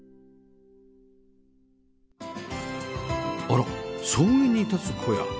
あら草原に立つ小屋